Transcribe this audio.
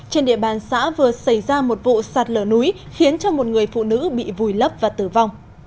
trên địa bàn xã vừa xảy ra một vụ sạt lở núi khiến cho một người phụ nữ bị vùi lấp và tử vong